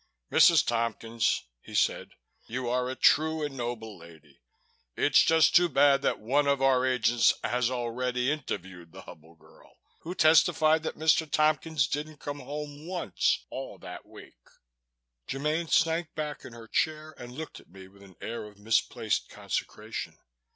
"Mrs. Tompkins," he said, "you are a true and noble lady. It's just too bad that one of our agents has already interviewed the Hubble girl, who testified that Mr. Tompkins didn't come home once all that week." Germaine sank back in her chair and looked at me with an air of misplaced consecration.